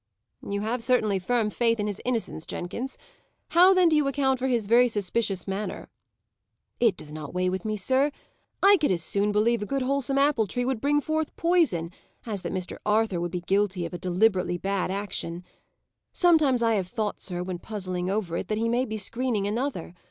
"You have certainly firm faith in his innocence, Jenkins. How then do you account for his very suspicious manner?" "It does not weigh with me, sir. I could as soon believe a good wholesome apple tree would bring forth poison, as that Mr. Arthur would be guilty of a deliberately bad action. Sometimes I have thought, sir, when puzzling over it, that he may be screening another.